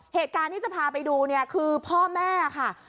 เหตุการณ์ที่จะพาไปดูเนี่ยคือพ่อแม่ค่ะ